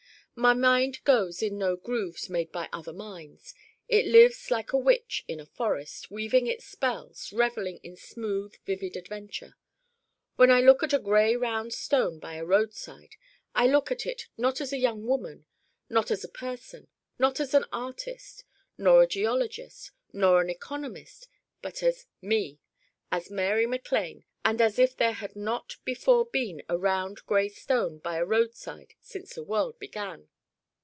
My Mind goes in no grooves made by other minds. It lives like a witch in a forest, weaving its spells, revelling in smooth vivid adventure. When I look at a round gray stone by a roadside I look at it not as a young woman, not as a person, not as an artist, nor a geologist, nor an economist, but as Me as Mary MacLane and as if there had not before been a round gray stone by a roadside since the world began.